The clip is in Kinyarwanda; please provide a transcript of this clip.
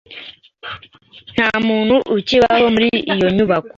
Nta muntu ukibaho muri iyo nyubako.